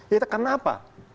ya itu karena apa